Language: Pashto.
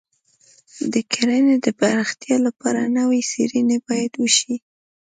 د کرنې د پراختیا لپاره نوې څېړنې باید وشي.